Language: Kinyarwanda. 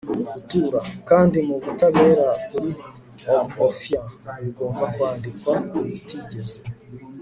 gutura. kandi mubutabera kuri umuofia bigomba kwandikwa ko bitigeze